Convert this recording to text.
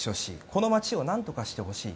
この街を何とかしてほしい。